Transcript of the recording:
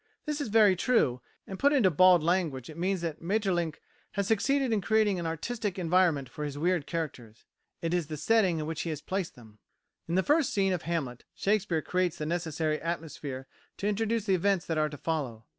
This is very true, and put into bald language it means that Maeterlinck has succeeded in creating an artistic environment for his weird characters; it is the setting in which he has placed them. In the first scene of Hamlet, Shakespeare creates the necessary atmosphere to introduce the events that are to follow.